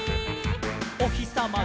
「おひさま